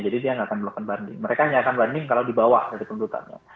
jadi dia tidak akan melakukan banding mereka hanya akan banding kalau di bawah dari pendudukannya